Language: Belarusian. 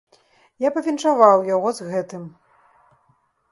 Я павіншаваў яго з гэтым.